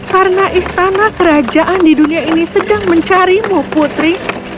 karena istana kerajaan di dunia ini sedang mencarimu putri